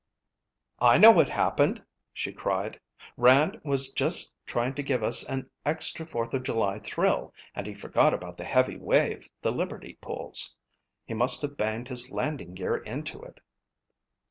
"I know what happened," she cried. "'Rand' was just trying to give us an extra Fourth of July thrill and he forgot about the heavy wave the Liberty pulls. He must have banged his landing gear into it."